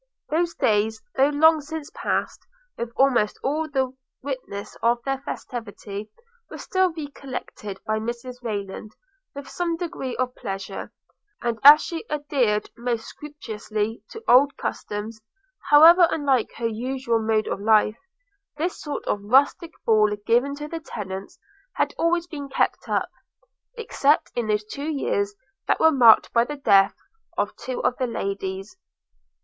Those days, though long since past, with almost all the witnesses of their festivity, were still recollected by Mrs Rayland with some degree of pleasure; and as she adhered most scrupulously to old customs, however unlike her usual mode of life, this sort of rustic ball given to the tenants had always been kept up, except in those two years that were marked by the death of two of the ladies.